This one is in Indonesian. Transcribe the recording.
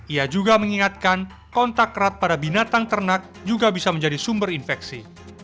ia juga mengingatkan kontak erat pada binatang ternak juga bisa menjadi sumber infeksi